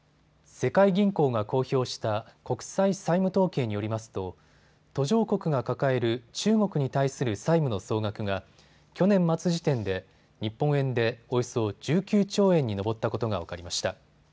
世界銀行が公表した国際債務統計によりますと途上国が抱える中国に対する債務の総額が去年末時点で日本円でおよそ１９兆円に上ったことが分かりました。